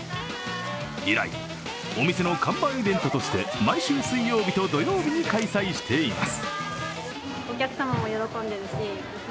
以来、お店の看板イベントとして毎週水曜日と土曜日に開催しています。